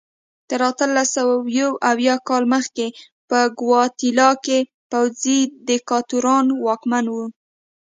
تر اتلس سوه یو اویا کال مخکې په ګواتیلا کې پوځي دیکتاتوران واکمن وو.